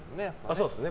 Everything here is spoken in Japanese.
そうですね。